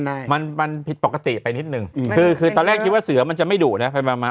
คือมันผิดปกติไปนิดนึงคือตอนแรกคิดว่าเสือมันจะไม่ดุนะ